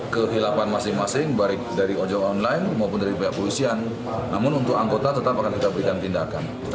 kehilapan masing masing baik dari ojek online maupun dari pihak polisian namun untuk anggota tetap akan kita berikan tindakan